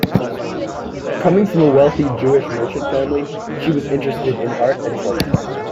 Coming from a wealthy Jewish merchant family, she was interested in art and culture.